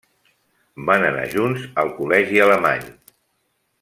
Van anar junts al Col·legi Alemany.